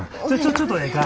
ちょっとええか。